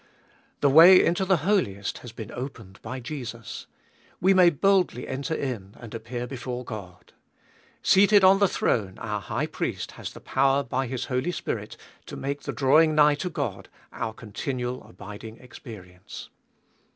The way into the Holiest has been opened by Jesus. We may boldly enter in and appear before God. Seated on the throne our High Priest has the power by His Holy Spirit to make the draiving nigh to God our continual abiding experience.